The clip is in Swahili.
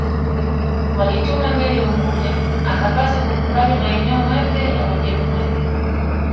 Walituma meli Unguja akapaswa kukubali maeneo mapya ya Wajerumani